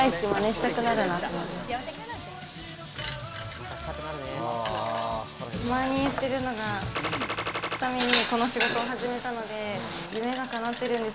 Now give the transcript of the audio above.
たまに言ってるのが、ために、この仕事を始めたので夢がかなってるんです。